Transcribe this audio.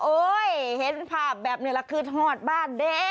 โอ๊ยเห็นภาพแบบเนร้าคือทอดบ้านเด้